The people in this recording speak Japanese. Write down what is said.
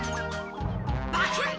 バキュン！